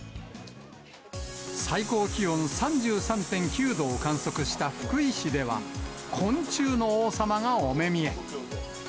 最高気温３３．９度を観測した福井市では、昆虫の王様がお目見え。